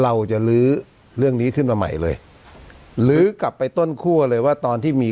เราจะลื้อเรื่องนี้ขึ้นมาใหม่เลยลื้อกลับไปต้นคั่วเลยว่าตอนที่มี